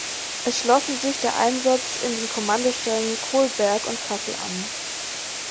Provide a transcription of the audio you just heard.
Es schlossen sich der Einsatz in den Kommandostellen Kolberg und Kassel an.